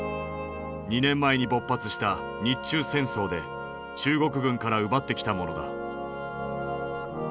２年前に勃発した日中戦争で中国軍から奪ってきたものだ。